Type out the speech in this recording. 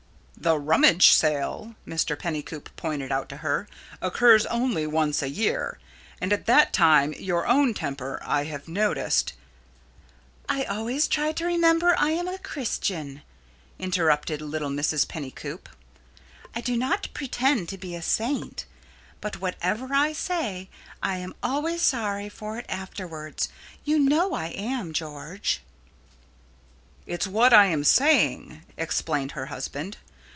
"The rummage sale," Mr. Pennycoop pointed out to her, "occurs only once a year, and at that time your own temper, I have noticed " "I always try to remember I am a Christian," interrupted little Mrs. Pennycoop. "I do not pretend to be a saint, but whatever I say I am always sorry for it afterwards you know I am, George." "It's what I am saying," explained her husband.